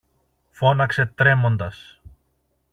φώναξε τρέμοντας.